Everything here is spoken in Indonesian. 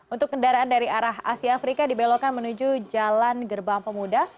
untuk kendaraan dari arah asia afrika dibelokkan menuju jalan gerbang pemuda